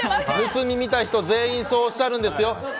盗み見た人全員そうおっしゃるんですよ！